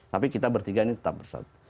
tapi kita bertiga ini tetap bersatu